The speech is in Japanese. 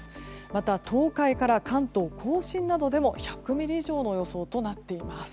また東海から関東・甲信などでも１００ミリ以上の予想となっています。